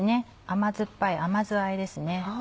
甘酸っぱい甘酢あえですね